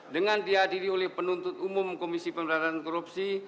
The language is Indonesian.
dengan diadili oleh penuntut umum komisi pemerintahan korupsi